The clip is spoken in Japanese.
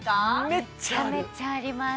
めちゃめちゃあります！